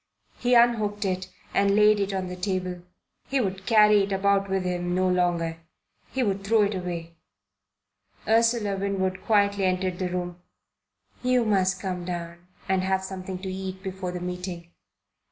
He unhooked it and laid it on the table. He would carry it about with him no longer. He would throw it away. Ursula Winwood quietly entered the room. "You must come down and have something to eat before the meeting."